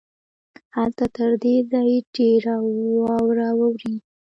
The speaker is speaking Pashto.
هلته تر دې ځای ډېره واوره اوري.